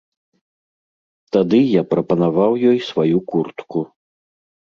Тады я прапанаваў ёй сваю куртку.